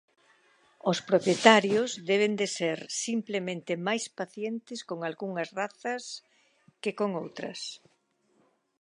Os propietarios deben de ser simplemente máis pacientes con algunhas razas que con outras.